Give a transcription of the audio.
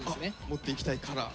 持っていきたい「カラー」。